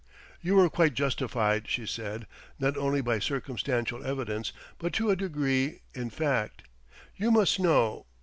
"You were quite justified," she said "not only by circumstantial evidence but to a degree in fact. You must know